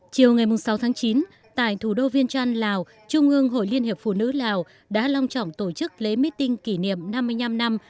chiều ngày sáu tháng chín tại thủ đô viên trăn lào trung ương hội liên hiệp phụ nữ lào đã long trọng tổ chức lễ meeting kỷ niệm năm mươi năm năm